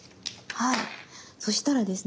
はいそしたらですね